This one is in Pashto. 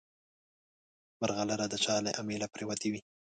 مرغلره د چا له امیله پرېوتې وي.